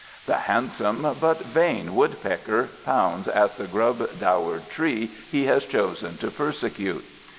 The handsome but vain woodpecker pounds at the grub dowered tree he has chosen to persecute.